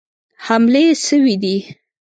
حملې سوي دي.